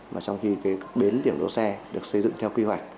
mà trong khi bến điểm đỗ xe được xây dựng theo kỳ hoạch